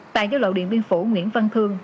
tại giao lộ điện biên phủ nguyễn văn thương